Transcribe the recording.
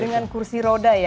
dengan kursi roda ya